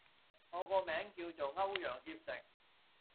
我個名叫做歐陽協成